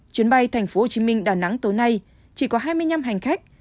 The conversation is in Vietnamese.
chuyến bay thành phố hồ chí minh đà nẵng tối nay chỉ có hai mươi năm hành khách